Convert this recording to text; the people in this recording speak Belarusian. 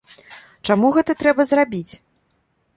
Чаму гэта трэба зрабіць?